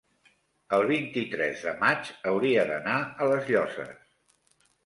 el vint-i-tres de maig hauria d'anar a les Llosses.